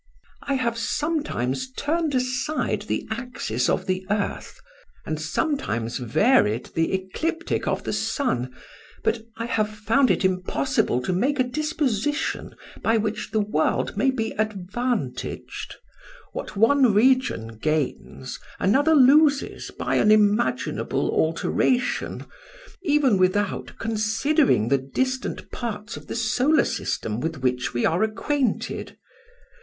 I have sometimes turned aside the axis of the earth, and sometimes varied the ecliptic of the sun, but I have found it impossible to make a disposition by which the world may be advantaged; what one region gains another loses by an imaginable alteration, even without considering the distant parts of the solar system with which we are acquainted.